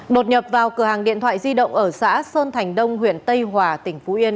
đột nhập vào cửa hàng điện thoại di động ở xã sơn thành đông huyện tây hòa tỉnh phú yên